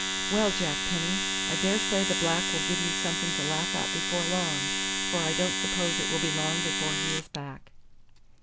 "Well, Jack Penny, I dare say the black will give you something to laugh at before long, for I don't suppose it will be long before he is back."